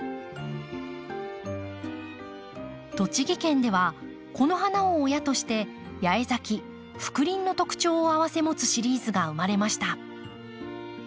栃木県ではこの花を親として八重咲き覆輪の特徴を併せ持つシリーズが生まれました。